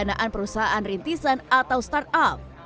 pendanaan perusahaan rintisan atau startup